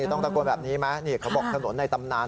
ต้องตะโกนแบบนี้ไหมนี่เขาบอกถนนในตำนาน